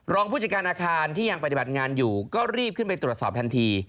ผู้จัดการอาคารที่ยังปฏิบัติงานอยู่ก็รีบขึ้นไปตรวจสอบทันที